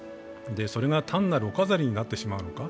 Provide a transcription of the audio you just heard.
それが単なるお飾りになってしまうのか。